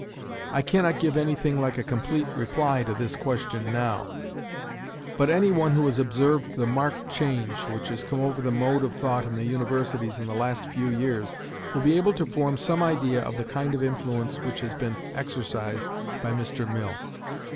I cannot give any thing like a complete reply to this question now; but any one who has observed the marked change which has come over the mode of thought in the universities in the last few years will be able to form some idea of the kind of influence which has been exercised by Mr. Mill.